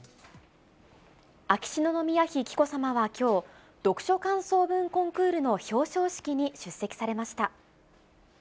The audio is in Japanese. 秋篠宮妃紀子さまはきょう、読書感想文コンクールの表彰式に出席されました。